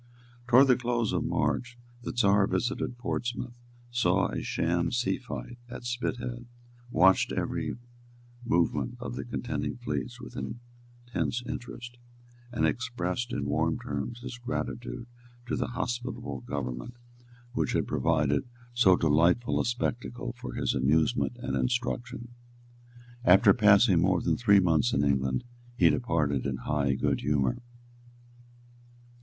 Towards the close of March the Czar visited Portsmouth, saw a sham seafight at Spithead, watched every movement of the contending fleets with intense interest, and expressed in warm terms his gratitude to the hospitable government which had provided so delightful a spectacle for his amusement and instruction. After passing more than three months in England, he departed in high good humour.